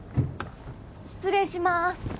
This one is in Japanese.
失礼します。